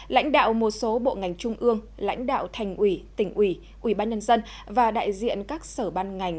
lãnh đạo một số bộ ngành trung ương lãnh đạo thành ủy tỉnh ủy ủy ban nhân dân và đại diện các sở ban ngành